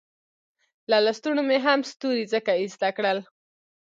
له لستوڼو مې هم ستوري ځکه ایسته کړل.